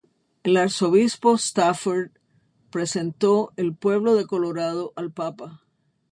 El arzobispo Stafford presentó el pueblo de Colorado al Papa.